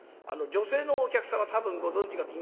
女性のお客様多分ご存じかと。